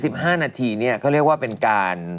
สัก๒๐๑๕นาทีเนี่ยเขาเรียกว่าเป็นการ